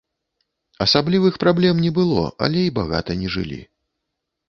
Асаблівых праблем не было, але і багата не жылі.